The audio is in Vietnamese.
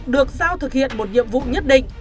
được giao thực hiện một nhiệm vụ nhất định